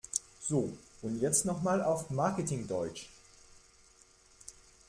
So, und jetzt noch mal auf Marketing-Deutsch!